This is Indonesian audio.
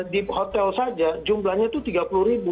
di hotel saja jumlahnya itu tiga puluh ribu